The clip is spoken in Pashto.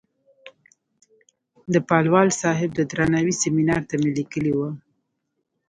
د پالوال صاحب د درناوۍ سیمینار ته مې لیکلې وه.